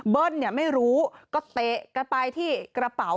ไม่รู้ก็เตะกันไปที่กระเป๋า